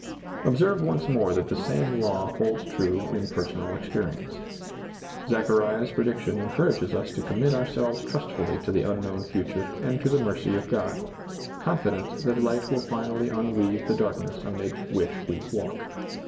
Observe once more that the same law holds true in personal experience. Zechariah's pre diction encourages us to commit ourselves trust fully to the unknown future and to the mercy of God, confident that light will finally unweave the darkness amid which we walk.